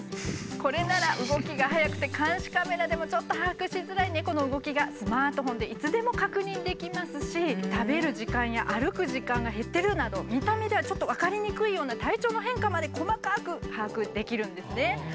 これなら動きが速くて監視カメラでもちょっと把握しづらい猫の動きがスマートフォンでいつでも確認できますし食べる時間や歩く時間が減ってるなど見た目ではちょっと分かりにくいような体調の変化まで細かく把握できるんですね。